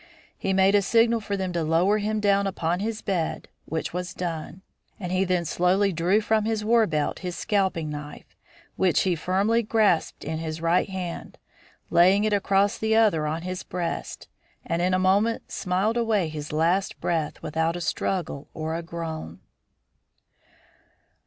"He made a signal for them to lower him down upon his bed, which was done, and he then slowly drew from his war belt his scalping knife, which he firmly grasped in his right hand, laying it across the other on his breast, and in a moment smiled away his last breath without a struggle or a groan."